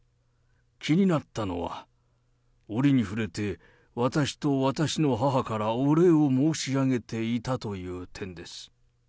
気になったのは、折に触れて、私と私の母からお礼を申し上げていたという点です。